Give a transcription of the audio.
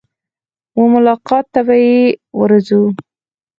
وه ملاقات ته به يې ورځو.